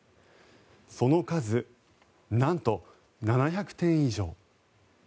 その数、なんと７００点以上。